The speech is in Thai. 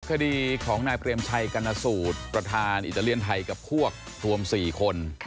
คดีของนายเปรมชัยกรรณสูตรประธานอิตาเลียนไทยกับพวกรวม๔คน